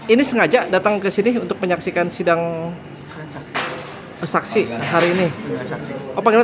ini sengaja datang ke sini untuk menyaksikan sidang saksi hari ini